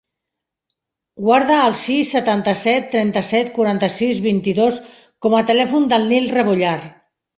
Guarda el sis, setanta-set, trenta-set, quaranta-sis, vint-i-dos com a telèfon del Nil Rebollar.